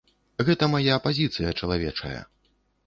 Гэта мая пазіцыя чалавечая.